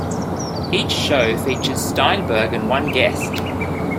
Each show features Steinberg and one guest.